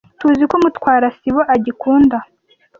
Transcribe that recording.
Tuziko Mutwara sibo agikunda.